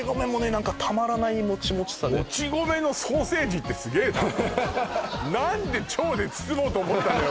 何かたまらないモチモチさでもち米のソーセージってすげえな何で腸で包もうと思ったのよ